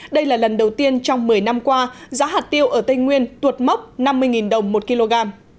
đây là lần đầu tiên trong một mươi năm qua giá hạt tiêu ở tây nguyên tuột mốc năm mươi đồng một kg